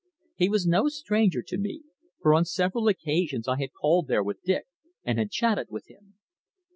He was no stranger to me, for on several occasions I had called there with Dick, and had chatted with him.